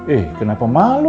eh kenapa malu